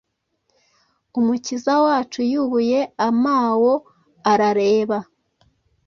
Umukiza wacu yubuye amao arareba